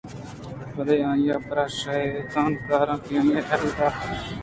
بلے آئی ءِ پرا شیطان کاریاں کہ آئی ءِ ہیل اَت